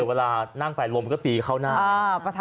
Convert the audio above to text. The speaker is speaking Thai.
เวลานั่งไปลมก็ตีเข้าหน้า